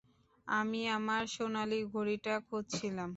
আমি আমার সোনালী ঘড়িটা খুঁজছিলাম।